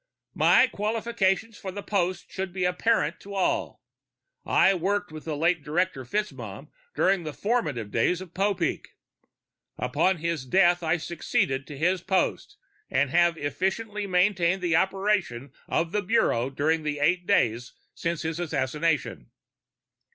"My qualifications for the post should be apparent to all. I worked with the late Director FitzMaugham during the formative days of Popeek. Upon his death I succeeded to his post and have efficiently maintained the operation of the Bureau during the eight days since his assassination.